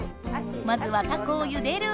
まずはタコをゆでる。